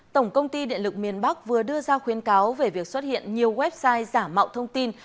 tổng công ty điện lực miền bắc vừa đưa ra khuyến cáo về việc xuất hiện nhiều website giả mạo thông tin